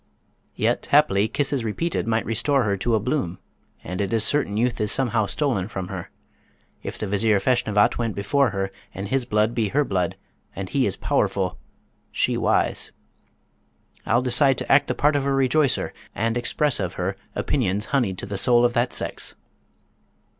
Yet haply kisses repeated might restore her to a bloom, and it is certain youth is somehow stolen from her, if the Vizier Feshnavat went before her, and his blood be her blood; and he is powerful, she wise. I'll decide to act the part of a rejoicer, and express of her opinions honeyed to the soul of that sex.'